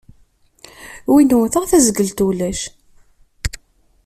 Win wwteɣ, tazgelt ulac.